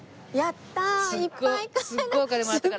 やったー！